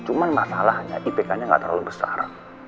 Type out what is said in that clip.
cuma masalahnya ipk nya gak terlalu besar